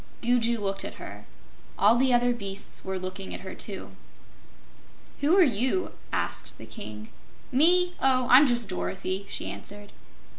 Gugu looked at her. All the other beasts were looking at her, too. "Who are you?" asked the King. "Me? Oh, I'm just Dorothy," she answered.